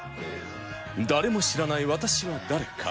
誰も知らない私は誰か。